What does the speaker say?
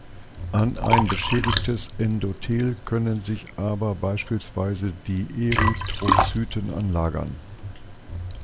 An ein beschädigtes Endothel können sich aber beispielsweise die Erythrozyten anlagern.